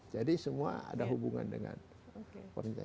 jadi semua ada hubungan dengan politik